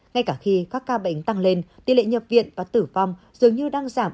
ngay cả khi các ca bệnh tăng lên tỷ lệ nhập viện và tử vong dường như đang giảm